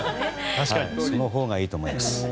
そのほうがいいと思います。